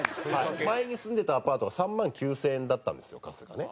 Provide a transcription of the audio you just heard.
前に住んでたアパートが３万９０００円だったんですよ春日ね。